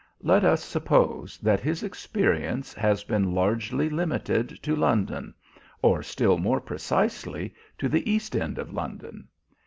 Let us suppose that his experience has been largely limited to London, or still more precisely, to the East End of London.